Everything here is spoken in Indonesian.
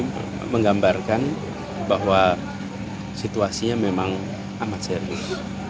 saya menggambarkan bahwa situasinya memang amat serius